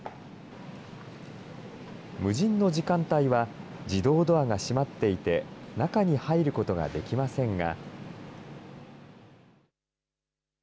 無人の時間帯は自動ドアが閉まっていて、中に入ることができませんが。